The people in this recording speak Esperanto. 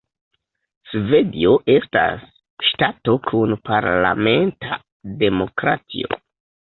Svedio estas ŝtato kun parlamenta demokratio.